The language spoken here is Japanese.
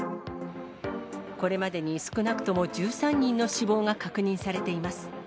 これまでに少なくとも１３人の死亡が確認されています。